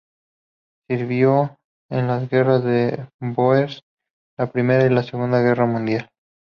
Sirvió en las guerras de los Bóers, la Primera y la Segunda Guerra Mundial.